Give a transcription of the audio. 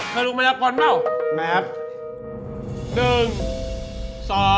เธอรู้มันละก่อนเปล่า